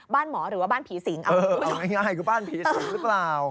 บ้านหมอหรือว่าบ้านผีสิงง่ายคือบ้านผีสิงหรือเปล่า